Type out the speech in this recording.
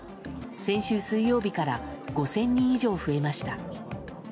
先週水曜日から５０００人以上増えました。